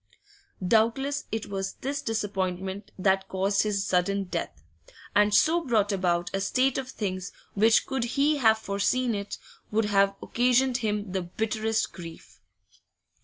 Doubtless it was this disappointment that caused his sudden death, and so brought about a state of things which could he have foreseen it, would have occasioned him the bitterest grief.